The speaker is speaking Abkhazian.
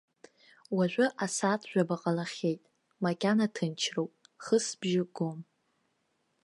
Уажәы асаат жәаба ҟалахьеит, макьана ҭынчроуп, хысбжьы гом.